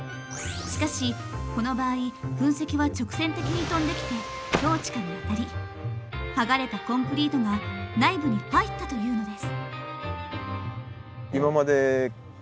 しかしこの場合噴石は直線的に飛んできてトーチカに当たり剥がれたコンクリートが内部に入ったというのです。